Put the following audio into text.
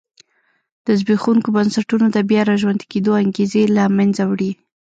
د زبېښونکو بنسټونو د بیا را ژوندي کېدو انګېزې له منځه وړي.